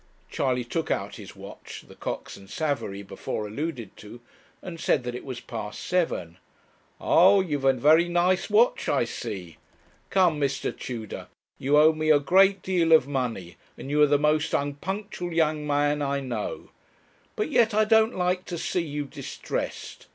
Charley took out his watch the Cox and Savary, before alluded to and said that it was past seven. 'Aye; you've a very nice watch, I see. Come, Mr. Tudor, you owe me a great deal of money, and you are the most unpunctual young man I know; but yet I don't like to see you distressed.